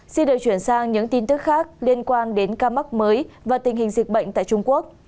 xin được chuyển sang những tin tức khác liên quan đến ca mắc mới và tình hình dịch bệnh tại trung quốc